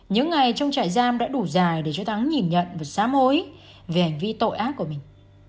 những ngày trong trại giam đã đủ dài để cho thắng nhìn nhận và xám hối về hành vi tội ác của mình